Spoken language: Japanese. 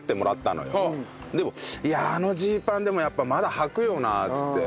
でもいやあのジーパンでもやっぱまだはくよなっつって。